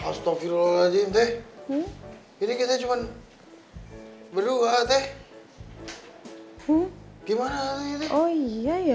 hai astagfirullahaladzim teh ini kita cuman berdua teh gimana oh iya ya ya